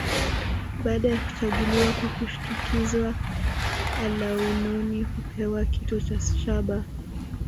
Baada ya kuchaguliwa kwa kushtukizwa alaunoni hupewa kito cha shaba